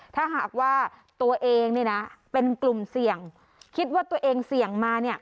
ถ้าหากว่าตัวเองเนี่ยนะเป็นกลุ่มเสี่ยงคิดว่าตัวเองเสี่ยงมาเนี่ย